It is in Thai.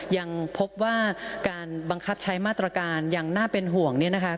ยังพบว่าการบังคับใช้มาตรการยังน่าเป็นห่วงเนี่ยนะคะ